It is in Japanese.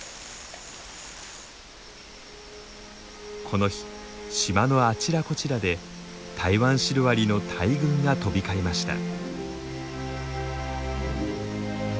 この日島のあちらこちらでタイワンシロアリの大群が飛び交いました。